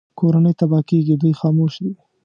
کورنۍ تباه کېږي دوی خاموش دي